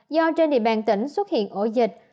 do trên địa bàn tỉnh xuất hiện ổ dịch